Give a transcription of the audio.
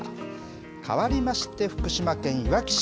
かわりまして福島県いわき市。